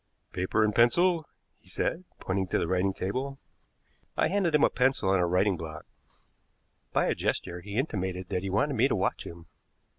"Paper and pencil," he said, pointing to the writing table. I handed him a pencil and a writing block. By a gesture he intimated that he wanted me to watch him.